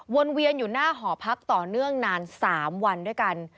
เวียนอยู่หน้าหอพักต่อเนื่องนาน๓วันด้วยกัน